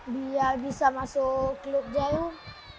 biar bisa masuk klub jarum